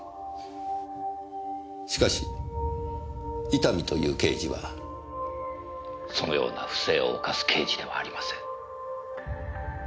しかし伊丹という刑事はそのような不正を犯す刑事ではありません。